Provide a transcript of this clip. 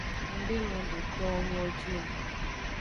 Ng de lon do towo nyo ji o.